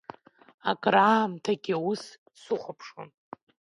Акыраамҭагьы ус дсыхәаԥшуан.